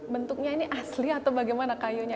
bentuknya ini asli atau bagaimana kayunya